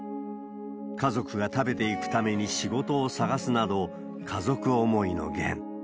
家族が食べていくために仕事を探すなど、家族思いのゲン。